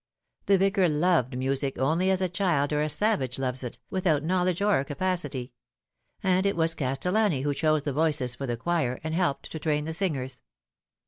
The Vicar loved music only as a child or a savage loves it, without knowledge or capacity ; and it was Castellani who chose the voices for the choir, and helped to train the singers.